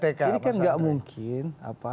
ini kan gak mungkin